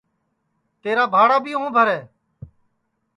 تیرا بھاڑا بھی ہوں بھرے